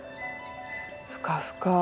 ふかふか。